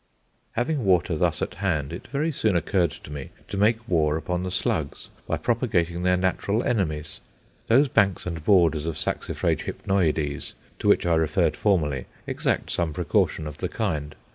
Having water thus at hand, it very soon occurred to me to make war upon the slugs by propagating their natural enemies. Those banks and borders of Saxifraga hypnoides, to which I referred formerly, exact some precaution of the kind.